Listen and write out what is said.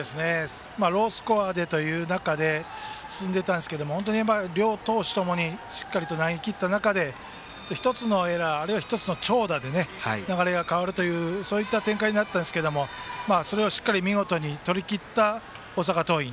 ロースコアでという中で進んでいたんですが本当に両投手共にしっかりと投げ切った中で１つのエラーあるいは１つの長打で流れが変わるという展開になったんですがそれをしっかり見事に取りきった大阪桐蔭。